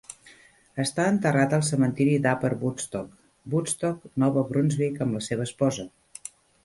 Està enterrat al cementiri d'Upper Woodstock, Woodstock, Nova Brunsvic, amb la seva esposa.